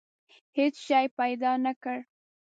هېڅ شی پیدا نه کړ.